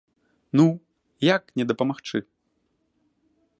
Ну, як не дапамагчы?